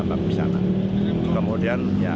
jadi kita bisa menemukan sejumlah bukti di tempat wisata